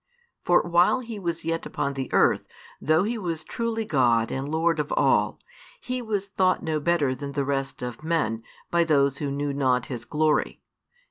For while He was yet upon the earth, though He was truly God and Lord of all, He was thought no better than the rest of men, by those who knew not His glory.